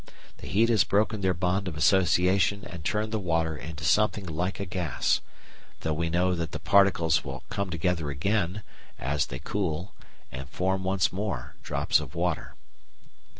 The heat has broken their bond of association and turned the water into something like a gas; though we know that the particles will come together again, as they cool, and form once more drops of water.